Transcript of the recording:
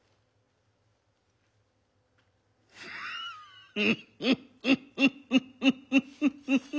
フッフフフフフフ。